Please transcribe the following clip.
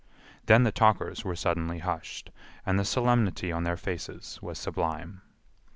Then the talkers were suddenly hushed, and the solemnity on their faces was sublime.